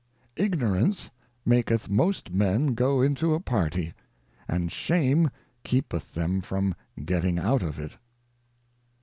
' Ignorance maketh most Men go into a Party, and Shame keepeth them from getting out of it.'